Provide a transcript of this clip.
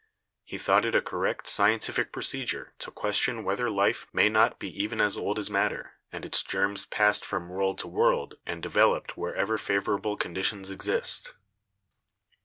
He thought it a correct scientific procedure to question whether life may not be even as old as matter and its germs passed from world to world and developed wherever favorable condi tions exist.